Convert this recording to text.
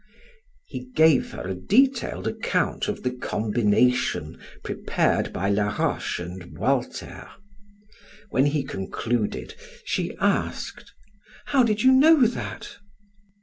He gave her a detailed account of the combination prepared by Laroche and Walter. When he concluded she asked: "How did you know that?"